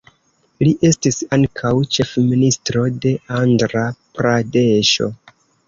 Li estis ankaŭ ĉefministro de Andra-Pradeŝo.